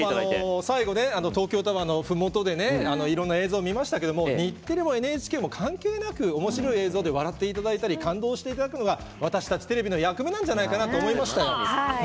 最後ね東京タワーのふもとでいろんな映像、見ましたけど日テレもＮＨＫも関係なく、おもしろい映像で笑っていただいたり感動していただいたのが私たちテレビの役目なんじゃないかと思いました。